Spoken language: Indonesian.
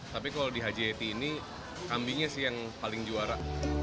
tapi kalau di hjt ini kambingnya sih yang paling juara